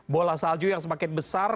bola salju yang semakin besar